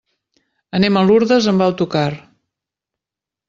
Anirem a Lurdes amb autocar.